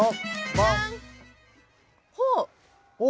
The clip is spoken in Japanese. うん。